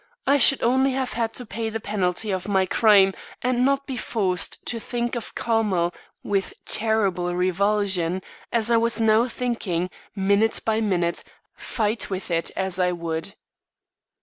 I should only have had to pay the penalty of my crime and not be forced to think of Carmel with terrible revulsion, as I was now thinking, minute by minute, fight with it as I would.